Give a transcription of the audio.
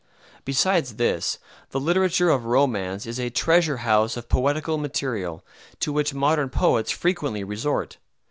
Besides this, the literature of romance is a treasure house of poetical material, to which modern poets frequently resort.